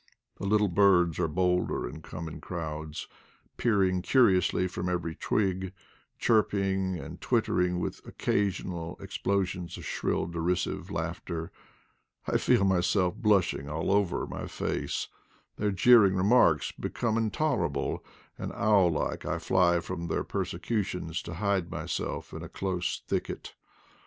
The little birds are bolder and come in crowds, peering curiously from every twig, chirping and twittering with occasional explosions of shrill de risive laughter. I feel myself blushing all over my face; their jeering remarks become intoler able, and, owl like, I fly from their persecutions to hide myself in a close thicket.